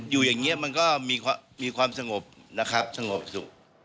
อยู่อย่างนี้มันก็มีความสงบสู่